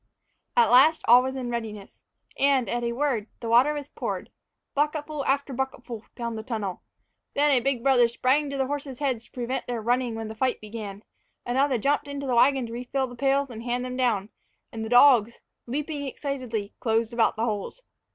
At last all was in readiness, and, at a word, the water was poured bucketful after bucketful down the tunnels. Then a big brother sprang to the horses' heads to prevent their running when the fight began, another jumped into the wagon to refill the pails and hand them down, and the dogs, leaping excitedly, closed about the holes.